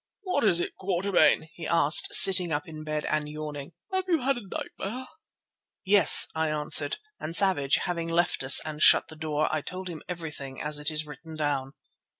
"What is it, Quatermain?" he asked, sitting up in bed and yawning. "Have you had a nightmare?" "Yes," I answered, and Savage having left us and shut the door, I told him everything as it is written down.